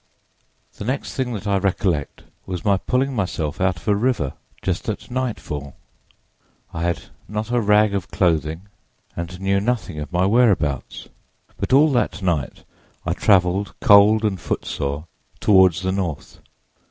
"The next thing that I recollect was my pulling myself out of a river just at nightfall. I had not a rag of clothing and knew nothing of my whereabouts, but all that night I traveled, cold and footsore, toward the north.